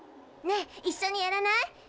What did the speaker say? ねえ一緒にやらない？